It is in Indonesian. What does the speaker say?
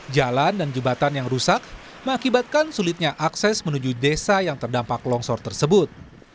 jalan dan jembatan yang rusak mengakibatkan sulitnya akses menuju desa yang terdampak longsor tersebut